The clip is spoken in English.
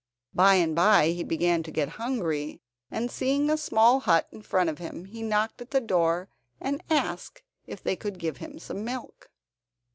By and by he began to get hungry, and seeing a small hut in front of him, he knocked at the door and asked if they could give him some milk.